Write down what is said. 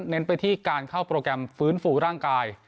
ไปที่การเข้าโปรแกรมฟื้นฟูร่างกาย